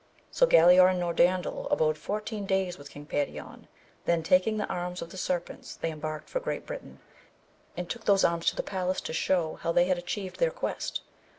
So Galaor and Norandel abode fourteen days with King Perion, then taking the arms of the serpents they embarked for Great Britain, and took those arms to the palace to shew how they had atchieved their quest.